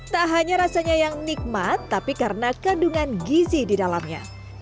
tak hanya rasanya yang nikmat tapi karena kandungan gizi di dalamnya